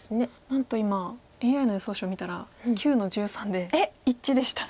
なんと今ＡＩの予想手を見たら９の十三で一致でした。